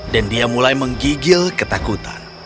dan dia mulai menggigil ketakutan